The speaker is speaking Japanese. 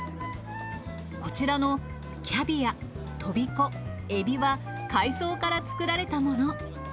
こちらのキャビア、トビコ、エビは、海藻から作られたもの。